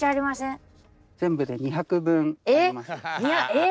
えっ？